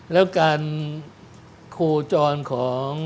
แล้วการโคจรของ